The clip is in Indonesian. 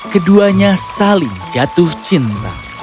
keduanya saling jatuh cinta